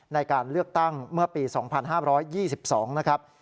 ในการเลือกตั้งเมื่อปี๒๕๒๒นะครับ